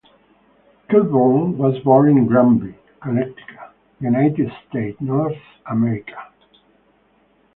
Kilbourn was born in Granby, Connecticut, United States, North America.